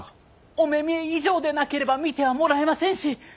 御目見以上でなければ診てはもらえませんし。